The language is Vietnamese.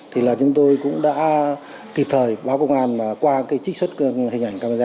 thì là chúng tôi cũng đã kịp thời báo công an qua cái trích xuất hình ảnh camera